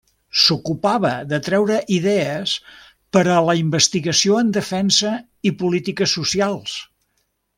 S'ocupava de traure idees per a la investigació en defensa i polítiques socials.